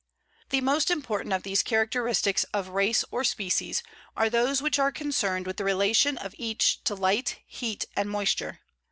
The most important of these characteristics of race or species are those which are concerned with the relation of each to light, heat, and moisture.